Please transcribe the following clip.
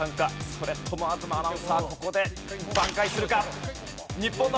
それとも東アナウンサーここで挽回するか？